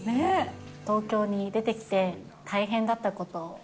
東京に出てきて大変だったこと。